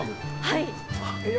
はい！